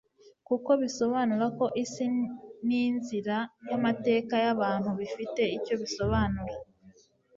kuko bisobanura ko isi n'inzira y'amateka y'abantu bifite icyo bisobanura